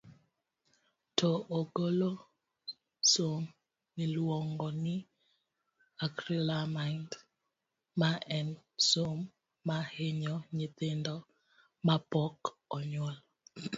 to ogolo sum miluongo ni Acrylamide, ma en sum ma hinyo nyithindo mapok onyuol.